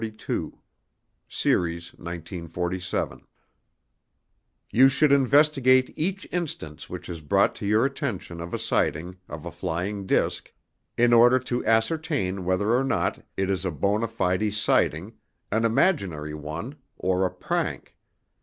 42 Series 1947 You should investigate each instance which is brought to your attention of a sighting of a flying disc in order to ascertain whether or not it is a bona fide sighting, an imaginary one or a prank.